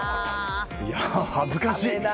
いや、恥ずかしい。